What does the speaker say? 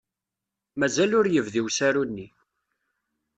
Mazal ur yebdi usaru-nni.